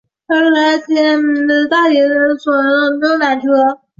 六号战车是纳粹德国在第二次世界大战期间所使用的重战车。